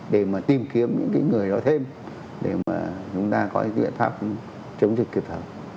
để mà tìm kiếm những người đó thêm để mà chúng ta có cái biện pháp chống dịch kịp thời